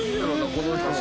この人は。